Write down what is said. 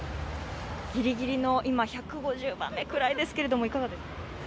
ギリギリの今、１５０番目ぐらいですが、いかがですか？